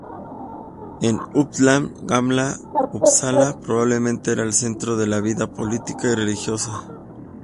En Uppland, Gamla Uppsala probablemente era el centro de la vida política y religiosa.